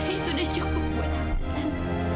itu udah cukup buat aksan